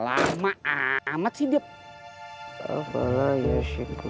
amat amat sidip